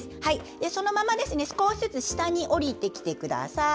そのまま少しずつ下に下りてきてください。